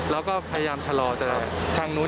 เราก็พยายามชะลอยว่างนี้